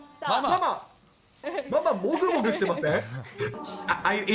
ママ、もぐもぐしてません？